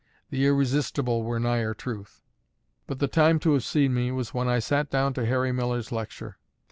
The Irresistible were nigher truth. But the time to have seen me was when I sat down to Harry Miller's lecture.